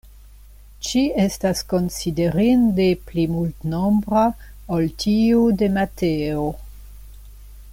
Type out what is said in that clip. Ĝi estas konsiderinde pli multnombra ol tiu de Mateo.